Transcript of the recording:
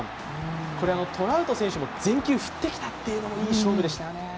これはトラウト選手も全球振ってきたというのもいい勝負でしたよね。